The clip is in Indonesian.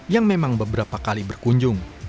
yang memang beberapa kali berkunjung